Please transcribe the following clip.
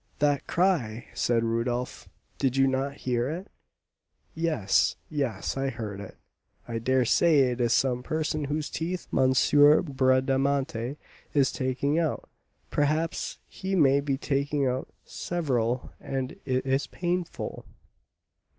"That cry!" said Rodolph; "did you not hear it?" "Yes, yes, I heard it; I dare say it is some person whose teeth M. Bradamanti is taking out; perhaps he may be taking out several, and it is painful!"